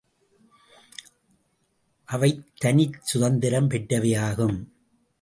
அவைத் தனிச் சுதந்தரம் பெற்றவையாகும்.